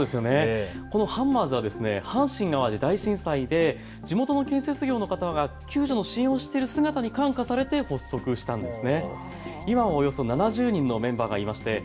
このハンマーズは阪神・淡路大震災で地元の建設業の方が救助の支援をしている姿に感化されて発足したんです。